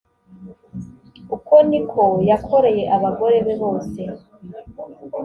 uko ni ko yakoreye abagore be bose